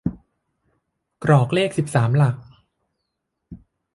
กรอกเลขสิบสามหลัก